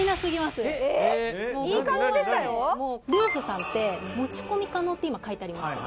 るうふさんって持ち込み可能って今書いてありましたよね